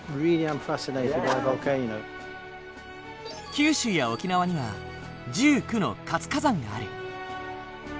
九州や沖縄には１９の活火山がある。